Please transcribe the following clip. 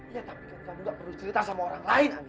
iya tapi kamu gak perlu cerita sama orang lain ani